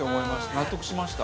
納得しました。